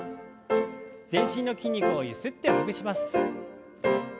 全身の筋肉をゆすってほぐします。